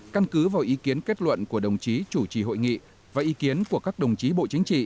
căn cứ vào ý kiến kết luận của đồng chí chủ trì hội nghị và ý kiến của các đồng chí bộ chính trị